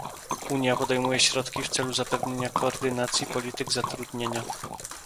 "Unia podejmuje środki w celu zapewnienia koordynacji polityk zatrudnienia"